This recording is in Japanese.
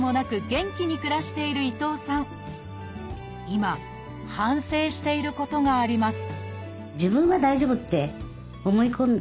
今反省していることがあります